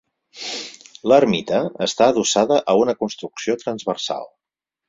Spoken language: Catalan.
L'ermita està adossada a una construcció transversal.